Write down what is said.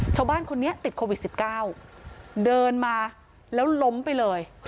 ชาวบ้านคนนี้ติดโควิด๑๙เดินมาแล้วล้มไปเลย